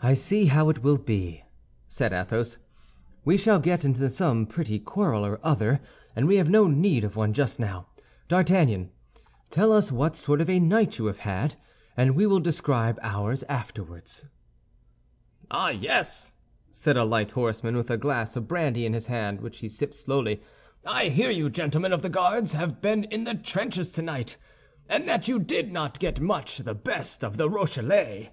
"I see how it will be," said Athos: "we shall get into some pretty quarrel or other, and we have no need of one just now. D'Artagnan, tell us what sort of a night you have had, and we will describe ours afterward." "Ah, yes," said a light horseman, with a glass of brandy in his hand, which he sipped slowly. "I hear you gentlemen of the Guards have been in the trenches tonight, and that you did not get much the best of the Rochellais."